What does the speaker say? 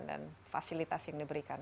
dan fasilitas yang diberikan